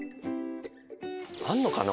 あるのかな？